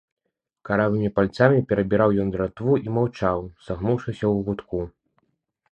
Каравымі пальцамі перабіраў ён дратву і маўчаў, сагнуўшыся ў кутку.